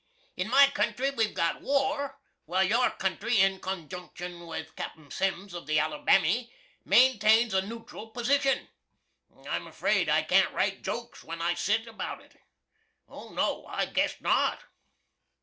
In my country we've got war, while your country, in conjunktion with Cap'n Sems of the "Alobarmy," manetanes a nootral position! I'm afraid I can't write goaks when I sit about it. Oh no, I guess not!